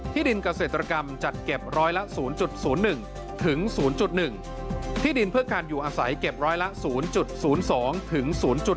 ดินเกษตรกรรมจัดเก็บร้อยละ๐๐๑ถึง๐๑ที่ดินเพื่อการอยู่อาศัยเก็บร้อยละ๐๐๒ถึง๐๗